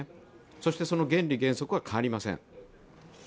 そして原理原則は変わりません。